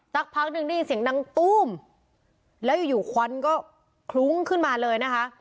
สักพักหนึ่งได้ยินเสียงดังตู้มแล้วอยู่อยู่ควันก็คลุ้งขึ้นมาเลยนะคะ